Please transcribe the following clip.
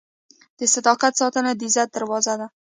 د صداقت ساتنه د عزت دروازه ده.